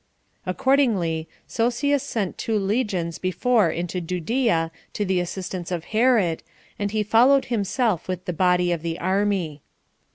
Accordingly, Sosius sent two legions before into Judea to the assistance of Herod, and he followed himself with the body of the army.